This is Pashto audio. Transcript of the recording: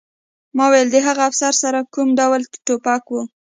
ما وویل د هغه افسر سره کوم ډول ټوپک و